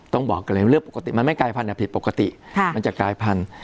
บอกกันเลยว่าเรื่องปกติมันไม่กายพันธุ์ผิดปกติมันจะกลายพันธุ